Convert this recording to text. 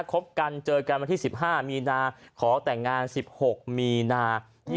คบกันเจอกันวันที่๑๕มีนาขอแต่งงาน๑๖มีนา๒๕